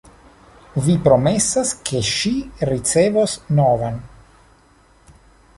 Vi promesas, ke ŝi ricevos novan.